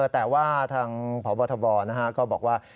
แต่ว่าทางพบทบก็บอกว่า